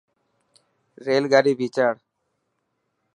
ريل گاڏي ڀيچاڙ.